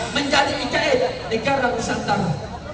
menjadi ikf negara bersantara